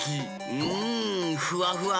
うんふわふわ！